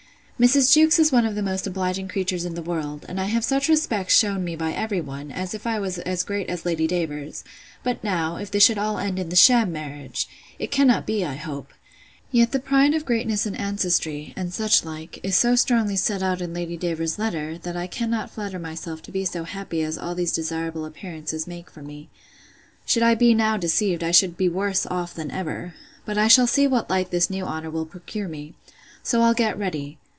Mrs. Jewkes is one of the most obliging creatures in the world; and I have such respects shewn me by every one, as if I was as great as Lady Davers—But now, if this should all end in the sham marriage!—It cannot be, I hope. Yet the pride of greatness and ancestry, and such like, is so strongly set out in Lady Davers's letter, that I cannot flatter myself to be so happy as all these desirable appearances make for me. Should I be now deceived, I should be worse off than ever. But I shall see what light this new honour will procure me!—So I'll get ready.